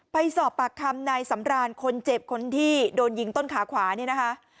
ไปสอบปากคำนายสำรานคนเจ็บคนที่โดนยิงต้นขาขวาเนี่ยนะคะ